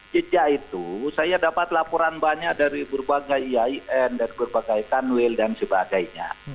jejak itu saya dapat laporan banyak dari berbagai iain dari berbagai kanwil dan sebagainya